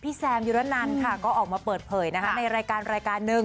พี่แซมยูตะนั้นก็ออกมาเปิดเผยในรายการ